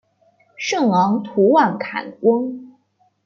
圣昂图万坎翁。